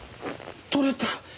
取れた。